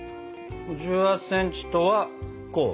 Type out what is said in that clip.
１８ｃｍとはこう。